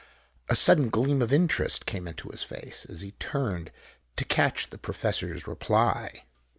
A sudden gleam of interest came into his face as he turned to catch the professor's reply.